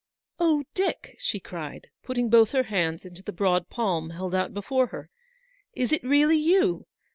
" Oh, Dick," she cried, putting both her hands into the broad palm held out before her, " is it really you